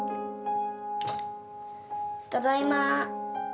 ただいま。